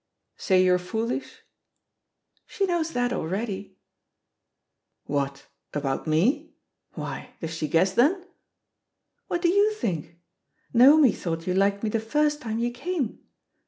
"Say you're foolish?" "She knows that already." "What — about me? Why, does she guess» then?" "What do yot^ think? ..• Naomi thought you liked me the first time you came.